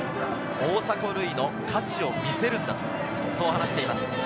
大迫塁の価値を見せるんだ、そう話しています。